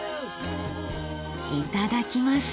いただきます。